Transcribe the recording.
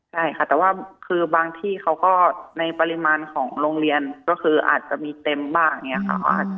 ใช่ค่ะแต่ว่าคือบางที่เขาก็ในปริมาณของโรงเรียนก็คืออาจจะมีเต็มบ้างอย่างนี้ค่ะ